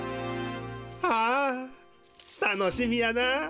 ああたのしみやな。